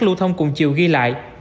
lưu thông cùng chiều ghi lại